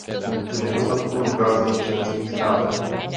K nedostatkům dochází v členských státech.